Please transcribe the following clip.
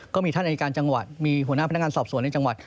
ก็มีท่านอายการจังหวัดมีหัวหน้าพนักงานสอบสวนในจังหวัด